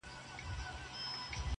له خپله نظمه امېلونه جوړ کړم-